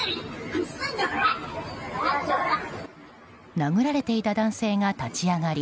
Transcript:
殴られていた男性が立ち上がり